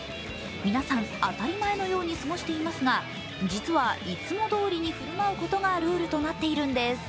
皆さん当たり前のように過ごしていますが実はいつもどおりに振る舞うことがルールとなっているのです。